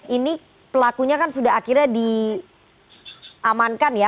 ini pelakunya kan sudah akhirnya diamankan ya